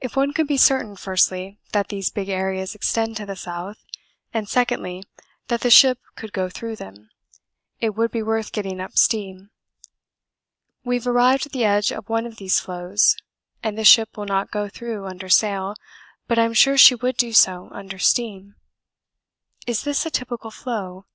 If one could be certain firstly, that these big areas extend to the south, and, secondly, that the ship could go through them, it would be worth getting up steam. We have arrived at the edge of one of these floes, and the ship will not go through under sail, but I'm sure she would do so under steam. Is this a typical floe?